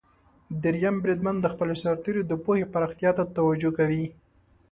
دریم بریدمن د خپلو سرتیرو د پوهې پراختیا ته توجه کوي.